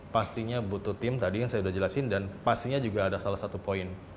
pastinya butuh tim tadi yang saya sudah jelasin dan pastinya juga ada salah satu poin